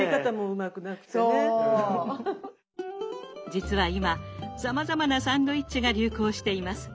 実は今さまざまなサンドイッチが流行しています。